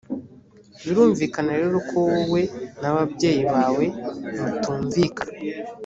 birumvikana rero ko wowe n ababyeyi bawe mutumvikana.